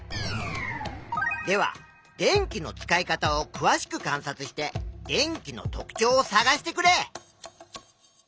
では電気の使い方をくわしく観察して電気の特ちょうをさがしてくれ！